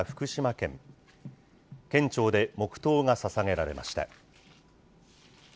県庁で黙とうがささげられました。